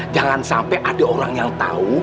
jangan sampai ada orang yang tahu